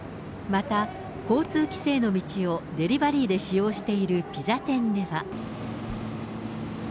また、交通規制の道をデリバリーで使用しているピザ店では。